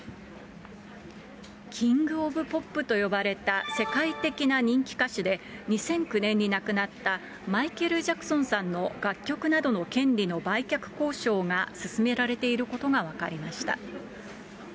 キング・オブ・ポップと呼ばれた世界的な人気歌手で２００９年に亡くなったマイケル・ジャクソンさんの楽曲などの権利の売却交渉が進められていることが分かりました。